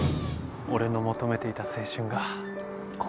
俺の求めていた青春がここにはある。